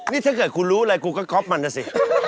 นี่ถ้าเกิดคุณรู้อะไรกูก็ก๊อปมันนะสิ